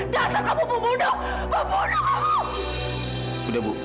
dasar kamu pembunuh